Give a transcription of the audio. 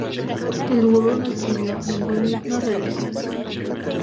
El Gurú no escribió ningún himno religioso.